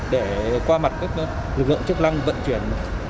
để qua mặt các lực lượng chức năng vận chuyển